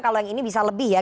kalau yang ini bisa lebih ya